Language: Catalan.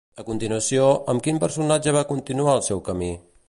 A continuació, amb quin personatge va continuar el seu camí?